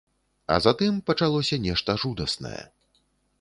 А затым пачалося нешта жудаснае.